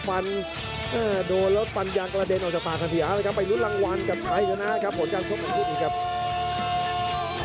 เอาละครับคุณผู้ชมครับเราไปลุ้นรางวัลพี่เสียงกันเลยดีกว่า